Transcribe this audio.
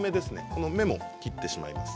これも切ってしまいます。